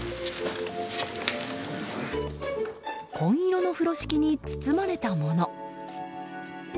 紺色の風呂敷に包まれたもの。